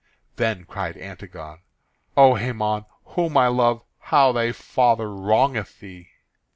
Then cried Antigone: "O Hæmon, whom I love, how thy father wrongeth thee!"